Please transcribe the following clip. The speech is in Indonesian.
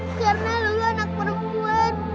karena lu anak perempuan